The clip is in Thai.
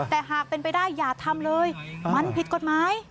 แต่หากเป็นไปได้อย่าทำเลยมันผิดกฎหมาย